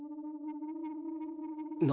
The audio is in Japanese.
何？